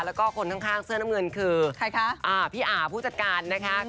แล้วก็คนข้างเสื้อน้ำเงินคือพี่อ่าผู้จัดการนะคะ